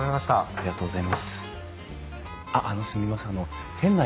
ありがとうございます。